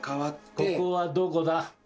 ここはどこだ？